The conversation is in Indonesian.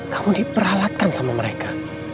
kamu diperalatkan sama mereka